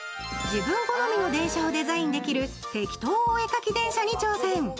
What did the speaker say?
自分好みの電車をデザインできるてきとお絵かき電車に挑戦。